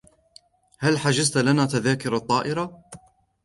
هل حجزت لي تذاكر الطائرة؟